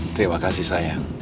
terima kasih sayang